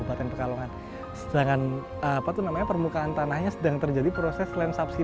mata pencarian utama ada di sini